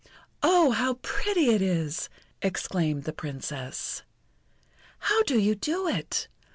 "Oh, how pretty it is!" exclaimed the Princess. "How do you do it?